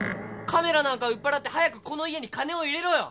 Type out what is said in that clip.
カメラなんか売っぱらって早くこの家に金を入れろよ！